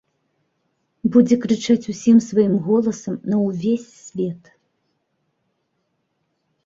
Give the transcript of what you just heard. Будзе крычаць усім сваім голасам на ўвесь свет.